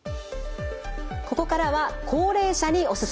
ここからは高齢者におすすめ！